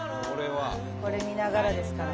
これ見ながらですから。